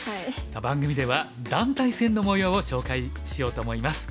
さあ番組では団体戦のもようを紹介しようと思います。